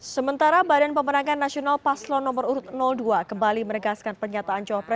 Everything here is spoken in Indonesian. sementara badan pemenangkan nasional paslon nomor urut dua kembali meregaskan pernyataan jokowi